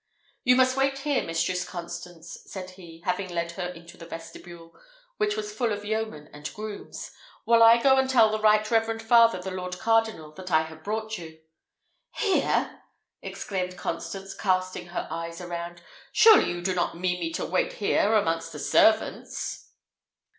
"You must wait here, Mistress Constance," said he, having led her into the vestibule, which was full of yeomen and grooms, "while I go and tell the right reverend father the lord cardinal that I have brought you." "Here!" exclaimed Constance, casting her eyes around; "surely you do not mean me to wait here amongst the servants?"